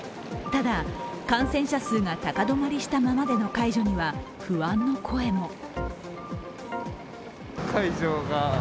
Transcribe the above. ただ感染者数が高止まりしたままでの解除には不安の声も。